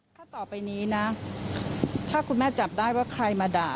ถ้าต่อไปนี้นะถ้าคุณแม่จับได้ว่าใครมาด่า